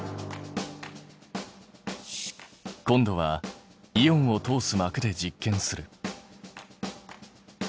今度はイオンを通す膜で実験する。